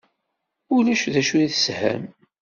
Ulac d acu i tesham?